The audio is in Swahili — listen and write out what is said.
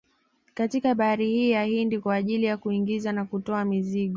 Katika bahari hii ya Hindi kwa ajili ya kuingiza na kutoa mizigo